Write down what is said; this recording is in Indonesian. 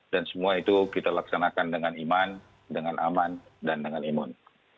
dan semua itu kita laksanakan dengan iman dengan aman dan dengan imun